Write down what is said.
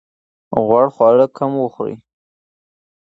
غوړ خواړه کم وخورئ.